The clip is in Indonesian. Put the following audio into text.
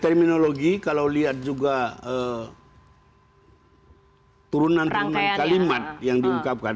terminologi kalau lihat juga turunan turunan kalimat yang diungkapkan